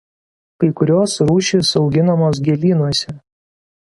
Kai kurios rūšys auginamos gėlynuose.